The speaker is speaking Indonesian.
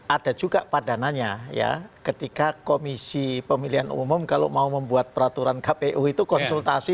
ada juga padananya ya ketika komisi pemilihan umum kalau mau membuat peraturan kpu itu konsultasi